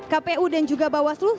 kpu dan juga bawah seluruh